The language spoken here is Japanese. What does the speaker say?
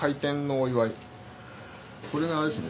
これがあれですね